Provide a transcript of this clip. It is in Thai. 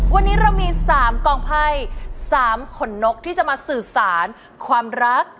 วันนี้เรามี๓กองไพ่๓ขนนกที่จะมาสื่อสารความรัก